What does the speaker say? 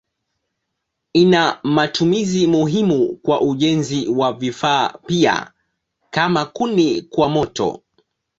Ina matumizi muhimu kwa ujenzi na vifaa pia kama kuni kwa moto.